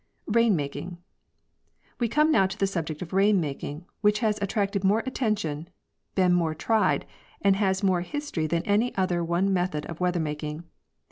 RAIN MAKING. We come now to the subject of rain making, which has at tracted more attention, been more tried, and has more history than any other one method of weather making.